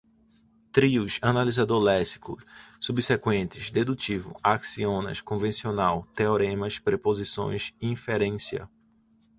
trios, analisador léxico, subsequentes, dedutivo, axiomas, convencional, teoremas, proposições, inferência